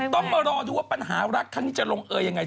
ต้องมารอดูว่าปัญหารักครั้งนี้จะลงเออยังไง